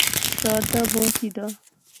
شاردا بہوں کی دا